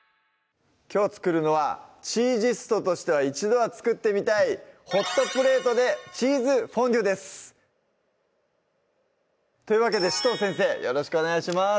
きょう作るのはチージストとしては一度は作ってみたい「ホットプレートでチーズフォンデュ」ですというわけで紫藤先生よろしくお願いします